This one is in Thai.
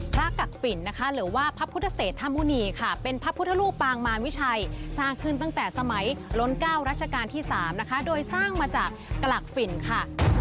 กักฝิ่นนะคะหรือว่าพระพุทธเศรษฐมุณีค่ะเป็นพระพุทธรูปปางมารวิชัยสร้างขึ้นตั้งแต่สมัยล้นเก้ารัชกาลที่๓นะคะโดยสร้างมาจากกลักฝิ่นค่ะ